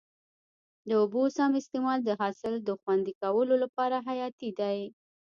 د اوبو سم استعمال د حاصل د خوندي کولو لپاره حیاتي دی.